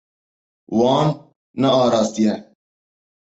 Wan nearastiye.